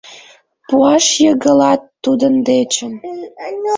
Пуаш йыгылат тудын дечын.